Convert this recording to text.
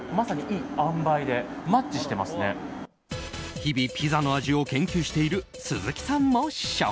日々、ピザの味を研究している鈴木さんも試食。